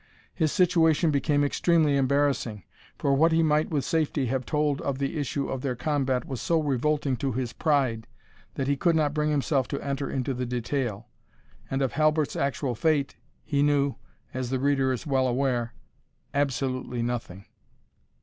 His situation became extremely embarrassing, for what he might with safety have told of the issue of their combat was so revolting to his pride, that he could not bring himself to enter into the detail; and of Halbert's actual fate he knew, as the reader is well aware, absolutely nothing.